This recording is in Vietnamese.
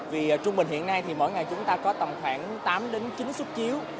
vì trung bình hiện nay thì mỗi ngày chúng ta có tầm khoảng tám đến chín xuất chiếu